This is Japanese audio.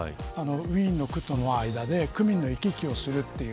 ウィーンの区との間で区民が行き来をするという。